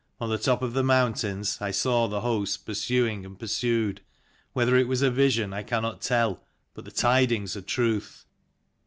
On the top of the mountains I saw the hosts pursuing and pursued. Whether it was a vision I cannot tell: but the tidings are truth."